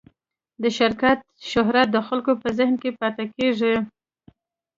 د شرکت شهرت د خلکو په ذهن کې پاتې کېږي.